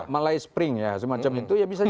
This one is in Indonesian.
malah spring ya semacam itu ya bisa jadi